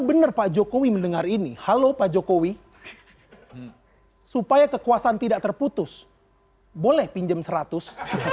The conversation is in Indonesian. bener pak jokowi mendengar ini halo pak jokowi supaya kekuasan tidak terputus boleh pinjem ratus